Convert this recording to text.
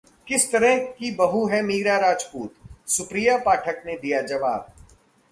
किस तरह की बहू है मीरा राजपूत? सुप्रिया पाठक ने दिया जवाब